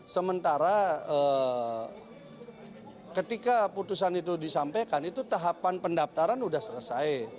sementara ketika putusan itu disampaikan itu tahapan pendaftaran sudah selesai